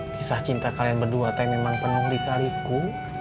kisah cinta kalian berdua tapi memang penuh di kaliku